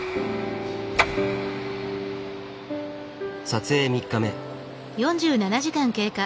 撮影３日目。